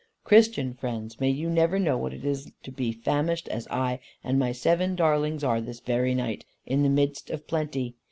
Christian friends, may you never know what it is to be famished as I and my seven darlings are this very night, in the midst of plenty.